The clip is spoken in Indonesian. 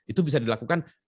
itu bisa dilakukan